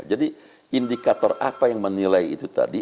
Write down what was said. jadi indikator apa yang menilai itu tadi